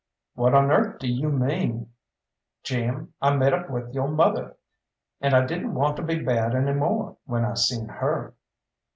"What on earth do you mean?" "Jim, I met up with yo' mother, and I didn't want to be bad any more when I seen her."